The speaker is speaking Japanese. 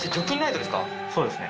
そうですね。